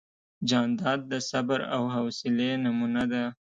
جانداد د صبر او حوصلې نمونه ده.